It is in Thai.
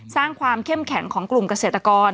สร้างความเข้มแข็งของกลุ่มเกษตรกร